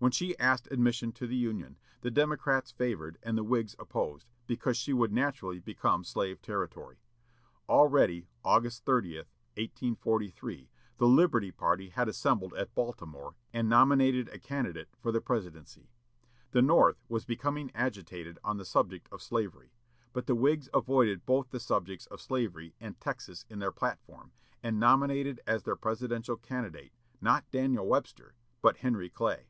When she asked admission to the Union, the Democrats favored and the Whigs opposed, because she would naturally become slave territory. Already, August 30, 1843, the "Liberty Party" had assembled at Baltimore and nominated a candidate for the presidency. The North was becoming agitated on the subject of slavery, but the Whigs avoided both the subjects of slavery and Texas in their platform, and nominated as their presidential candidate not Daniel Webster but Henry Clay.